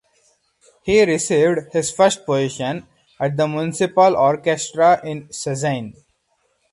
He received his first position at the municipal orchestra in Szczecin.